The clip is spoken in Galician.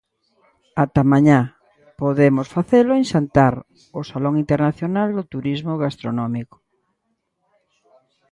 Ata mañá podemos facelo en Xantar, o salón internacional do turismo gastronómico.